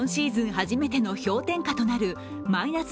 初めての氷点下となるマイナス